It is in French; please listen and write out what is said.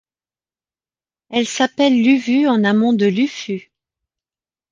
Elle s’appelle Luvu en amont de Lufu.